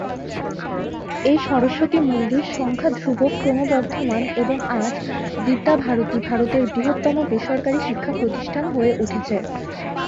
এই সরস্বতী মন্দির সংখ্যা ধ্রুবক ক্রমবর্ধমান, এবং আজ, বিদ্যা ভারতী ভারতের বৃহত্তম বেসরকারি শিক্ষা প্রতিষ্ঠান হয়ে উঠেছে।